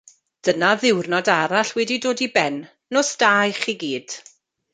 Dyna ddiwrnod arall wedi dod i ben, nos da i chi gyd.